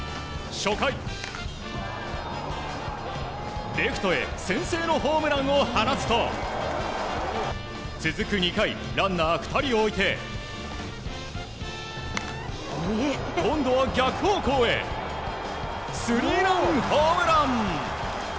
初回、レフトへ先制のホームランを放つと続く２回、ランナー２人を置いて今度は逆方向へスリーランホームラン。